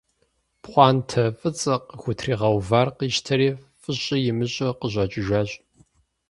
Пхъуантэ фӀыцӀэ къыхутригъэувар къищтэри, фӀыщӀи имыщӀу къыщӀэкӀыжащ.